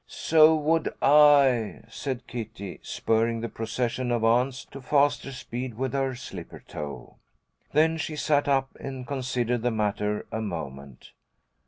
"So would I," said Kitty, spurring the procession of ants to faster speed with her slipper toe. Then she sat up and considered the matter a moment.